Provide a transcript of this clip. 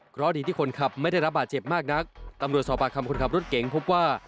เพราะดีที่คนขับไม่ได้รับบาดเจ็บมากนักตำรวจสอบปากคำคนขับรถเก๋งพบว่า